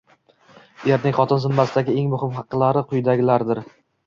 Erning xotin zimmasidagi eng muhim haqlari quyidagilardir.